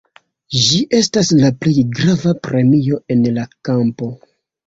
Ĝi estas la plej grava premio en la kampo.